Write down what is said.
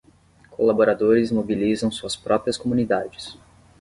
Colaboradores mobilizam suas próprias comunidades